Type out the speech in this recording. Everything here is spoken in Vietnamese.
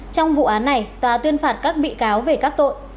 trong vụ án này tòa tuyên phạt các bị cáo về các tội